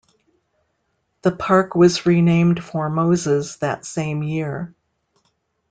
The park was renamed for Moses that same year.